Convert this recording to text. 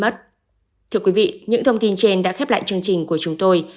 thưa quý vị những thông tin trên đã khép lại chương trình của chúng tôi